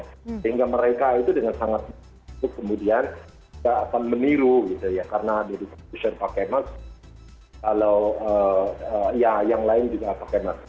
karena dari konstitusi yang pakai mask kalau yang lain juga pakai mask